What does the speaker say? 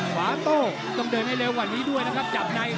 โต้ต้องเดินให้เร็วกว่านี้ด้วยนะครับจับใน